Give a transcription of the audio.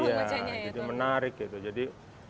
iya jadi menarik gitu jadi